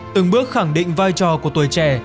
từng bước khẳng định vai trò của tuổi trẻ